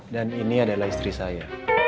dan ini adalah istri saya